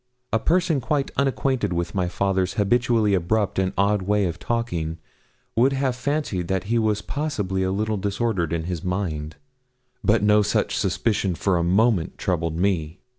A person quite unacquainted with my father's habitually abrupt and odd way of talking, would have fancied that he was possibly a little disordered in his mind. But no such suspicion for a moment troubled me.